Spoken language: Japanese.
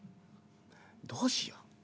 「どうしよう。